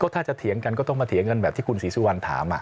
ถ้าจะเถียงกันก็ต้องมาเถียงกันแบบที่คุณศรีสุวรรณถาม